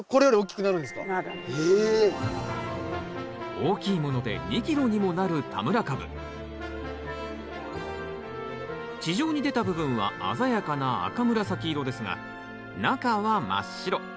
大きいもので２キロにもなる地上に出た部分は鮮やかな赤紫色ですが中は真っ白。